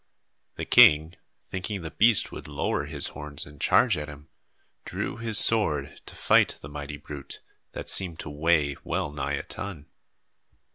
The king, thinking the beast would lower his horns and charge at him, drew his sword to fight the mighty brute that seemed to weigh well nigh a ton.